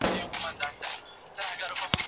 په سفر کي به له خپلو ملګرو سره مرسته کوئ.